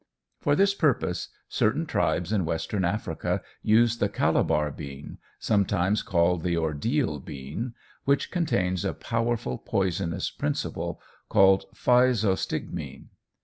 For this purpose certain tribes in Western Africa use the Calabar bean, sometimes called the ordeal bean, which contains a powerful poisonous principle, called Physostigmine.